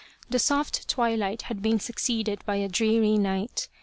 The soft twilight had been succeeded by a dreary night.